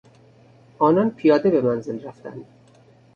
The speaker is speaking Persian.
آنان پیاده به منزل رفتند.